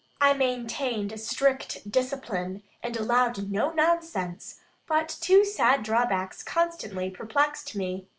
I maintained strict discipline, and allowed no nonsense; but two sad drawbacks constantly perplexed me.